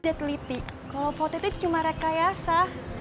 dia teliti kalau foto itu cuma rekayasa